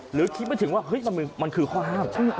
หรือคิดไม่ถึงว่าเฮ้ยมันคือข้อห้าม